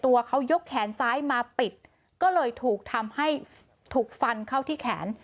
ตัวเขายกแขนซ้ายมาปิดก็เลยถูกทำให้ถูกฟันเข้าที่แขน